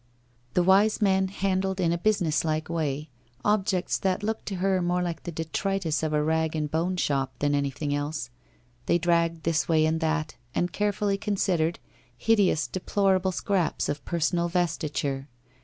The wise men handled, in a businesslike way, objects that looked to her more like the detritus of a rag and bone shop than any thing else. They dragged this way and that, and care fully considered, hideous deplorable scraps of personal ves titure.